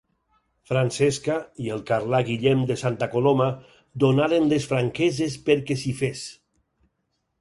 Francesca, i el Carlà Guillem de Santa Coloma, donaren les franqueses perquè s'hi fes.